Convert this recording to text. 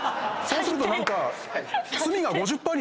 そうすると何か。